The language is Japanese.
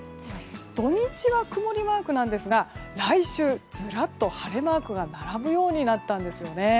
土日は曇りマークなんですが来週ずらっと晴れマークが並ぶようになったんですよね。